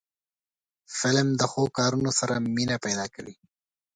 فلم له ښو کارونو سره مینه پیدا کوي